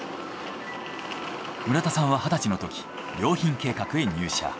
村田さんは二十歳のとき良品計画へ入社。